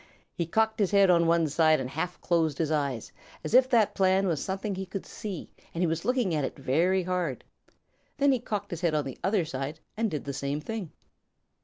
He cocked his head on one side and half closed his eyes, as if that plan was something he could see and he was looking at it very hard. Then he cocked his head on the other side and did the same thing.